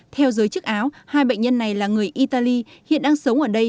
theo giới chức áo hai bệnh nhân này là người italy hiện đang sống ở đây